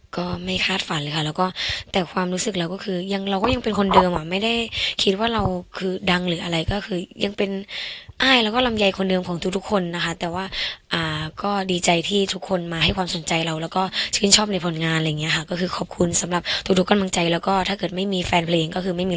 ก็ไม่คาดฝันเลยค่ะแล้วก็แต่ความรู้สึกเราก็คือยังเราก็ยังเป็นคนเดิมอ่ะไม่ได้คิดว่าเราคือดังหรืออะไรก็คือยังเป็นอ้ายแล้วก็ลำไยคนเดิมของทุกทุกคนนะคะแต่ว่าก็ดีใจที่ทุกคนมาให้ความสนใจเราแล้วก็ชื่นชอบในผลงานอะไรอย่างเงี้ค่ะก็คือขอบคุณสำหรับทุกทุกกำลังใจแล้วก็ถ้าเกิดไม่มีแฟนเพลงก็คือไม่มี